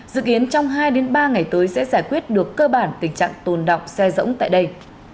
dự kiến trong hai ba ngày tới sẽ giải quyết được cơ bản tình trạng tồn động xe rỗng tại đây